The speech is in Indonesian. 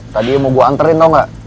tadi mau gue anterin tau gak